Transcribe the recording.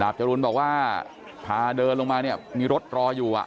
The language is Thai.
จรุนบอกว่าพาเดินลงมาเนี่ยมีรถรออยู่อ่ะ